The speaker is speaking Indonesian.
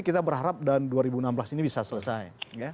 kita berharap dan dua ribu enam belas ini bisa selesai